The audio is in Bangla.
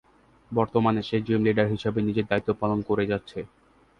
বর্তমানে সে জিম লিডার হিসেবে নিজের দায়িত্বপালন করে যাচ্ছে।